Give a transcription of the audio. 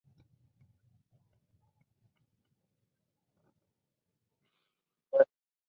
El argumento está basado en la novela homónima de William Goldman.